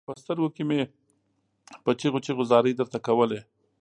په سترګو کې مې په چيغو چيغو زارۍ درته کولې.